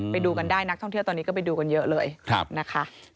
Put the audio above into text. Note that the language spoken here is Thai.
ไปดูกันได้นักท่องเที่ยวตอนนี้ก็ไปดูกันเยอะเลยนะคะ